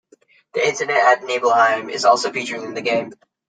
The incident at Nibelheim is also featured in the game.